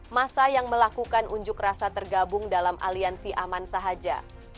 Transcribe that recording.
masa yang melakukan unjuk rasa tergabung dalam aliansi aman saja